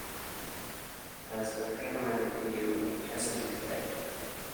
It has a panoramic view of the Chesapeake Bay.